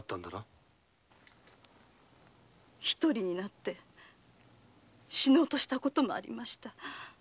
一人になって死のうとしたこともありました。